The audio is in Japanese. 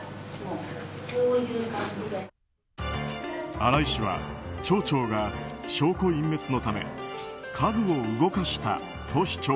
新井氏は町長が証拠隠滅のため家具を動かしたと主張。